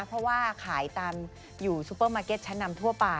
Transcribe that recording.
เพราะว่าขายตามอยู่ซูเปอร์มาร์เก็ตชั้นนำทั่วไป